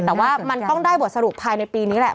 แต่ว่ามันต้องได้บทสรุปภายในปีนี้แหละ